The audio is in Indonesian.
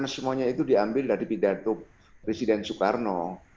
karena semuanya itu diambil dari pidato presiden soekarno